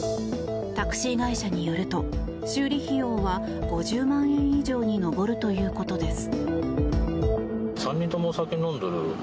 タクシー会社によると修理費用は５０万円以上に上るということです。